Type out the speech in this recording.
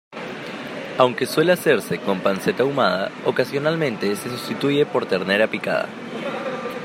Aunque suele hacerse con panceta ahumada, ocasionalmente se sustituye por ternera picada.